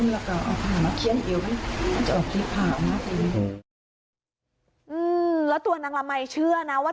แล้วตัวนางละมัยเชื่อนะว่า